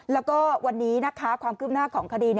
แล้วก็วันนี้ความขึ้นหน้าของคดี